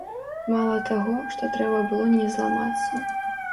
Мала таго, што трэба было не зламацца.